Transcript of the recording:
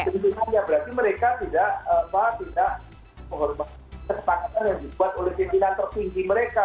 keuntungannya berarti mereka tidak menghormati kesepakatan yang dibuat oleh pimpinan tertinggi mereka